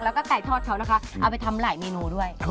แล้วก็ไก่ทอดเขานะคะเอาไปทำหลายเมนูด้วย